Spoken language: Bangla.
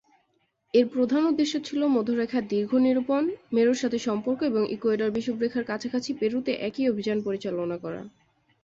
এর প্রধান উদ্দেশ্য ছিল মধ্যরেখায় দৈর্ঘ্য নিরূপণ, মেরুর সাথে সম্পর্ক এবং ইকুয়েডরের বিষুবরেখার কাছাকাছি পেরুতে একই অভিযান পরিচালনা করা।